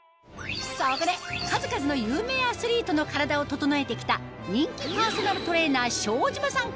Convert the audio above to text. そこで数々の有名アスリートの体を整えて来た人気パーソナルトレーナー庄島さん